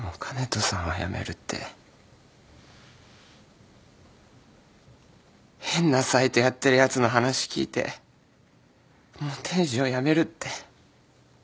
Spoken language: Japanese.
香音人さんはやめるって変なサイトやってるやつの話聞いてもう天使をやめるって。